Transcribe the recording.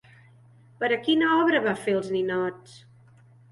Per a quina obra va fer els ninots?